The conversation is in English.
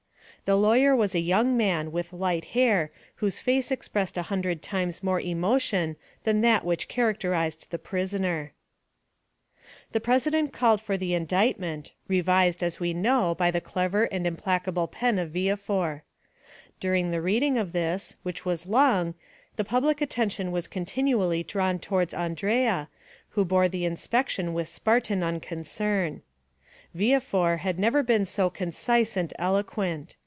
The lawyer was a young man with light hair whose face expressed a hundred times more emotion than that which characterized the prisoner. 50181m The president called for the indictment, revised as we know, by the clever and implacable pen of Villefort. During the reading of this, which was long, the public attention was continually drawn towards Andrea, who bore the inspection with Spartan unconcern. Villefort had never been so concise and eloquent.